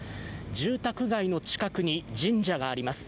住宅街の近くに神社があります。